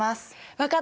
分かった！